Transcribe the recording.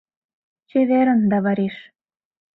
Чеверын, давариш!